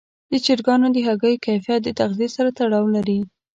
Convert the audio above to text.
د چرګانو د هګیو کیفیت د تغذیې سره تړاو لري.